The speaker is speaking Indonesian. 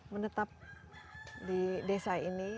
menetap di desa ini